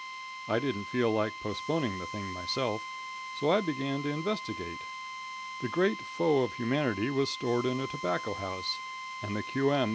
I didn't feel like postponing the thing myself, so I began to investigate. The great foe of humanity was stored in a tobacco house, and the Q.M.